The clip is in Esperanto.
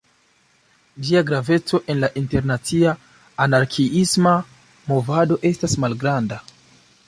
Ĝia graveco en la internacia anarkiisma movado estas malgranda.